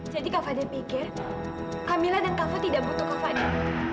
jadi kak fadil pikir kamila dan kavo tidak butuh kak fadil